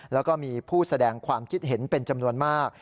แล้วก็มีผู้แสดงความคิดเห็นเป็นจำนวนมาก